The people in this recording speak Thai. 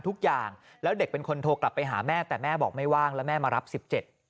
ทุกอย่างแล้วเด็กเป็นคนโทรกลับไปหาแม่แต่แม่บอกไม่ว่างแล้วแม่มารับสิบเจ็ด